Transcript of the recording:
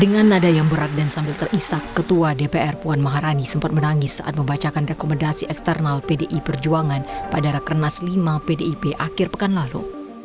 dengan nada yang berat dan sambil terisak ketua dpr puan maharani sempat menangis saat membacakan rekomendasi eksternal pdi perjuangan pada rakernas lima pdip akhir pekan lalu